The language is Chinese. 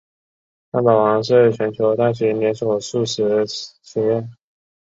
汉堡王是全球大型连锁速食企业。